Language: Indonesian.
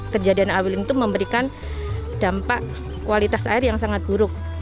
kejadian awin itu memberikan dampak kualitas air yang sangat buruk